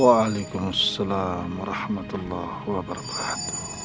waalaikumsalam warahmatullahi wabarakatuh